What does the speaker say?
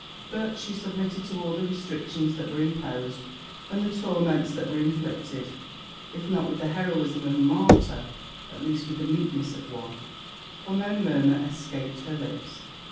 But she submitted to all the restrictions that were imposed and the torments that were inflicted, if not with the heroism of a martyr, at least with the meekness of one; for no murmur escaped her lips.